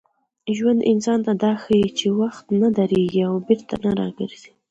ژوند انسان ته دا ښيي چي وخت نه درېږي او بېرته نه راګرځي.